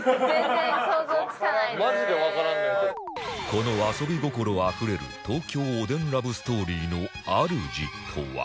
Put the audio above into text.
この遊び心あふれる東京おでんラブストーリーの主とは？